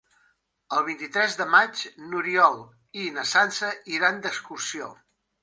El vint-i-tres de maig n'Oriol i na Sança iran d'excursió.